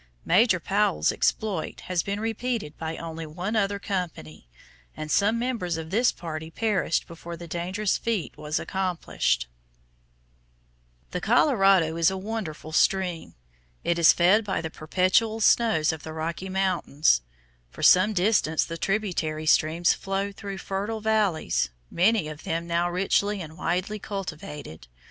Major Powell's exploit has been repeated by only one other company, and some members of this party perished before the dangerous feat was accomplished. [Illustration: FIG. 1. THE GRAND CAÑON OF THE COLORADO The work of a river] The Colorado is a wonderful stream. It is fed by the perpetual snows of the Rocky Mountains. For some distance the tributary streams flow through fertile valleys, many of them now richly and widely cultivated.